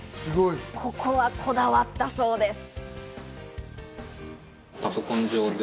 ここはこだわったそうです。